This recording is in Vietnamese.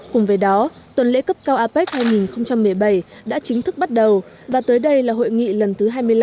cùng với đó tuần lễ cấp cao apec hai nghìn một mươi bảy đã chính thức bắt đầu và tới đây là hội nghị lần thứ hai mươi năm